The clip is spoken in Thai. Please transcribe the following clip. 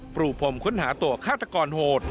รูพรมค้นหาตัวฆาตกรโหด